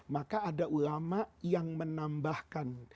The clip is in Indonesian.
maka ada ulama yang menambahkan